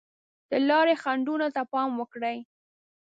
د لارې خنډونو ته پام وکړئ.